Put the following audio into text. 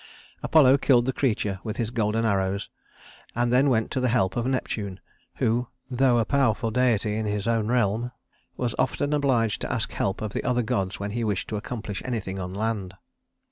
Apollo killed the creature with his golden arrows, and then went to the help of Neptune, who, though a powerful deity in his own realm, was often obliged to ask help of the other gods when he wished to accomplish anything on land.